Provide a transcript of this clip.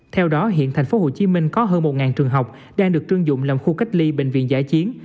theo đó hiện tp hcm có hơn một trường học đang được trương dụng làm khu cách ly bệnh viện giải chiến